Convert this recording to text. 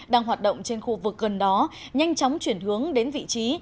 đang hoạt động trên khu vực gần đó nhanh chóng chuyển hướng đến vị trí